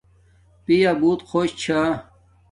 پیا بوت خوش چھا